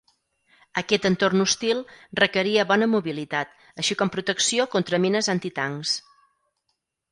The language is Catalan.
Aquest entorn hostil requeria bona mobilitat, així com protecció contra mines antitancs.